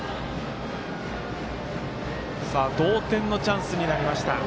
同点のチャンスになりました。